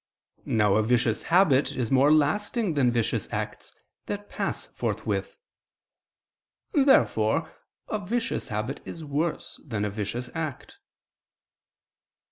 Now a vicious habit is more lasting than vicious acts, that pass forthwith. Therefore a vicious habit is worse than a vicious act.